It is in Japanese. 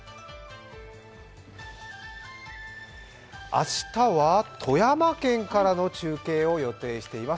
明日は富山県からの中継を予定しています。